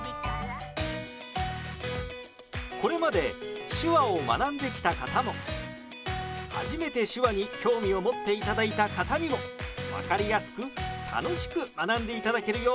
これまで手話を学んできた方も初めて手話に興味を持っていただいた方にも分かりやすく楽しく学んでいただけるよう